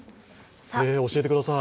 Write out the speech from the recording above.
教えてください。